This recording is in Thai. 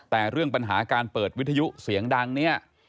แต่เรื่องปัญหาการเปิดวิทยุเสียงดังเนี่ย